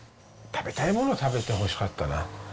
食べたいものを食べてほしかったな。